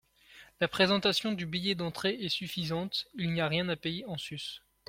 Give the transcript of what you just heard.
La présentation du billet d’entrée est suffisante, il n’y a rien à payer en sus.